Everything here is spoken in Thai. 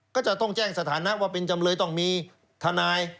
ก็จะต้องแจ้งสถานะว่าเป็นจำเลยต้องมีทนาย